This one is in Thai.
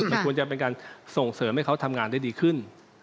มันควรจะเป็นการส่งเสริมให้เขาทำงานได้ดีขึ้น